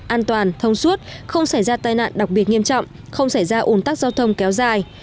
an toàn thông suốt không xảy ra tai nạn đặc biệt nghiêm trọng không xảy ra ủn tắc giao thông kéo dài